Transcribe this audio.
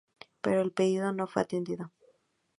Pero el pedido no fue atendido.